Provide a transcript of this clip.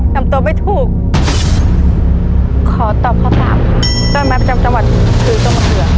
ทำตัวไม่ถูกขอตอบคำถามค่ะต้นไม้ประจำจังหวัดคือต้นมะเดือ